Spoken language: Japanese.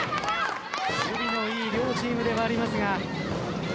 守備のいい両チームでもありますが。